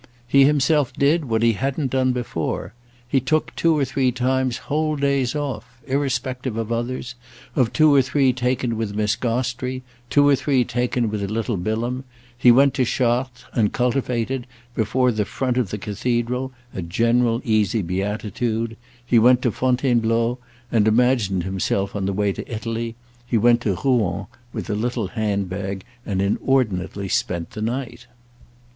He himself did what he hadn't done before; he took two or three times whole days off—irrespective of others, of two or three taken with Miss Gostrey, two or three taken with little Bilham: he went to Chartres and cultivated, before the front of the cathedral, a general easy beatitude; he went to Fontainebleau and imagined himself on the way to Italy; he went to Rouen with a little handbag and inordinately spent the night.